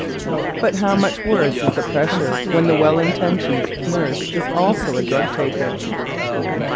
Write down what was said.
But how much worse is the pressure when the well intentioned nurse also is a drug taker!